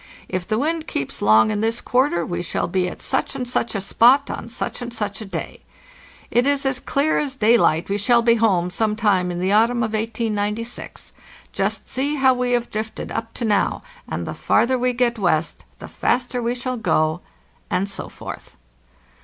"If the wind keeps long in this quarter we shall be at such and such a spot on such and such a day. It is as clear as daylight we shall be home some time in the autumn of 1896. Just see how we have drifted up to now, and the farther we get west the faster we shall go," and so forth.